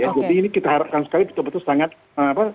jadi ini kita harapkan sekali betul betul sangat apa